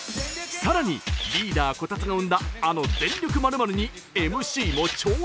更にリーダーこたつが生んだあの「全力○○」にＭＣも挑戦！